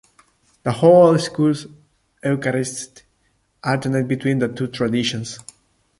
The whole school Eucharists alternate between the two traditions.